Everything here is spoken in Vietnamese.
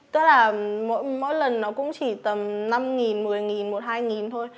tức là mỗi lần nó cũng chỉ tầm năm nghìn một mươi nghìn một hai nghìn thôi